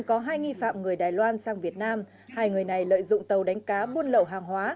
có hai nghi phạm người đài loan sang việt nam hai người này lợi dụng tàu đánh cá buôn lậu hàng hóa